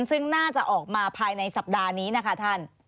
ซึ่งน่าจะออกมาภายในสัปดาห์นี้นะคะท่าน